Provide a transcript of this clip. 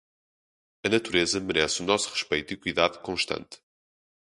A natureza merece nosso respeito e cuidado constante.